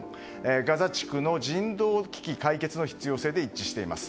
ガザ地区の人道危機解決の必要性で一致しています。